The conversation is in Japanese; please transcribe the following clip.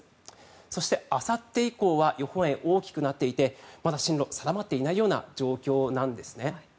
そして、あさって以降は予報円大きくなっていてまだ進路、定まっていないような状況なんです。